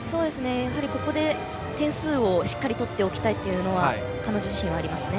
ここで点数をしっかり取っておきたいというのは彼女自身、ありますね。